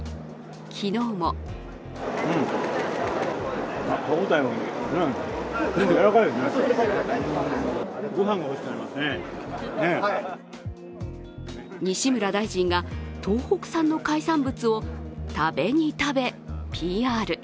昨日も西村大臣が東北産の海産物を食べに食べ、ＰＲ。